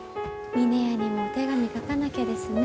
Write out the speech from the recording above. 峰屋にもお手紙書かなきゃですね。